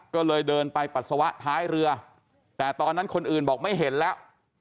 ก็เลยเดินไปปัสสาวะท้ายเรือแต่ตอนนั้นคนอื่นบอกไม่เห็นแล้ว